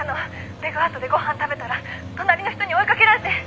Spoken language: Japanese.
ＶｅｇＯｕｔでご飯食べたら隣の人に追いかけられて」